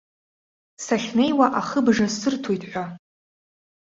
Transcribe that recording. Сахьнеиуа ахыбжа сырҭоит ҳәа.